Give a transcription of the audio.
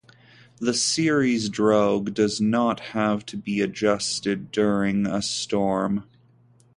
The series drogue does not have to be adjusted during a storm.